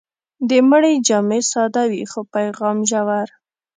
د مړي جامې ساده وي، خو پیغام ژور.